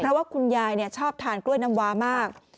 เพราะว่าคุณยายชอบทานกล้วยน้ำว้ามาก